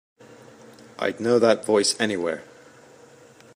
I'd know that voice anywhere.